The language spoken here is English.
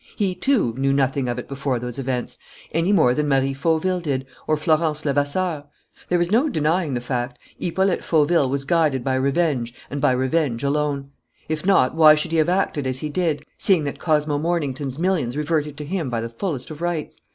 He, too, knew nothing of it before those events, any more than Marie Fauville did, or Florence Levasseur. There is no denying the fact: Hippolyte Fauville was guided by revenge and by revenge alone. If not, why should he have acted as he did, seeing that Cosmo Mornington's millions reverted to him by the fullest of rights?